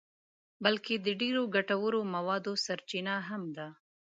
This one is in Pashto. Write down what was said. بلکه د ډېرو ګټورو موادو سرچینه هم ده.